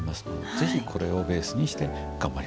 是非これをベースにして頑張りましょう。